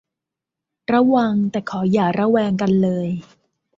ระวัง แต่ขออย่าระแวงกันเลย